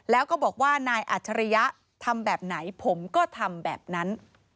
แล้วก็บอกว่านายอัจฉริยะทำแบบไหนผมก็ทำแบบนั้น